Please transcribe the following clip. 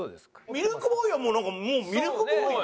ミルクボーイはなんかもうミルクボーイですよね。